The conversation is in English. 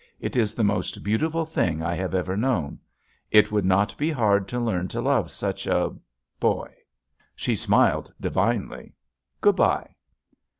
It is the most beautiful thing I have ever known. It would not be hard to learn to love such a — ^boy." She smiled divinely. "Goodbye!"